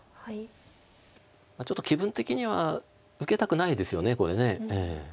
ちょっと気分的には受けたくないですよねこれ。